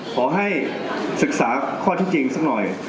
ขอให้ศึกษาข้อที่จริงสักหน่อย